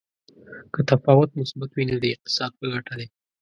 که تفاوت مثبت وي نو د اقتصاد په ګټه دی.